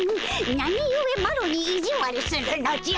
なにゆえマロにいじわるするのじゃ。